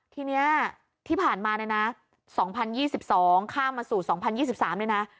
ทีนี้ที่ผ่านมาเนี่ยนะ๒๐๒๒ข้ามมาสู่๒๐๒๓เลยนะ